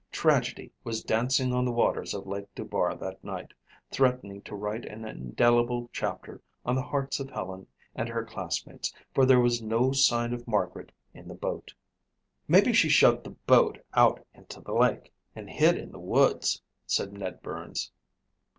Tragedy was dancing on the waters of Lake Dubar that night, threatening to write an indelible chapter on the hearts of Helen and her classmates for there was no sign of Margaret in the boat. "Maybe she shoved the boat out into the lake and hid in the woods," said Ned Burns.